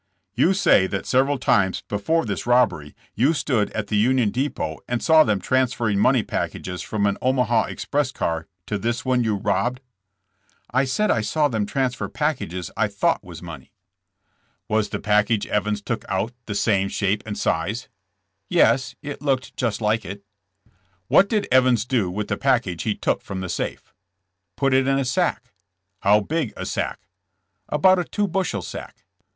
"You say that several times before this robbery you stood at the Union depot and saw them trans ferring money packages from an Omaha express car to this one you robbed?" "I said I saw them transfer packages I thought was money." THK TRIAL FOR TRAIN ROBBERY. 149 Was the package Evans took out' the same shape and size?" Yes; it looked just like it." What did Evans do with the package he took from the safe ?'' *'Put it in a sack." How big a sack?" About a two bushel sack."